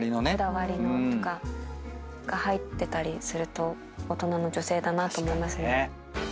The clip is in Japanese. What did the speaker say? こだわりのとかが入ってたりすると大人の女性だなと思いますね。